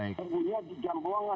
kemudian di jambuanga